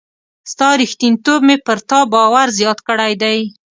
ستا ریښتینتوب مي پر تا باور زیات کړی دی.